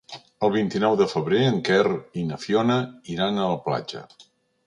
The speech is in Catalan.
El vint-i-nou de febrer en Quer i na Fiona iran a la platja.